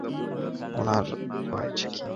উনার হয়েছেটা কী?